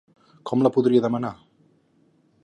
Com la podria demanar?